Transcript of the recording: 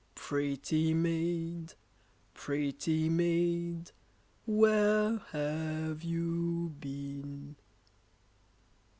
] Pretty maid, pretty maid, where have you been?